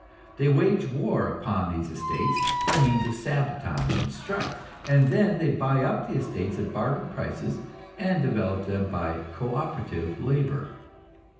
They wage war upon these estates by means of sabotage and strikes, and then they buy up the estates at bargain prices and develop them by co operative labor.